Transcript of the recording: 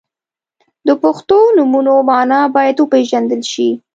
• د پښتو نومونو مانا باید وپیژندل شي.